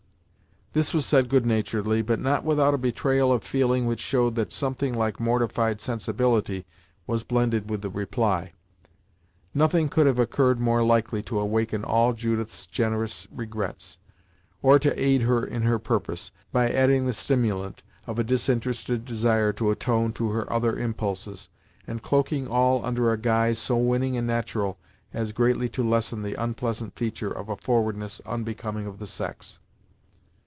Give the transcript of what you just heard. This was said good naturedly, but not without a betrayal of feeling which showed that something like mortified sensibility was blended with the reply. Nothing could have occurred more likely to awaken all Judith's generous regrets, or to aid her in her purpose, by adding the stimulant of a disinterested desire to atone to her other impulses, and cloaking all under a guise so winning and natural, as greatly to lessen the unpleasant feature of a forwardness unbecoming the sex.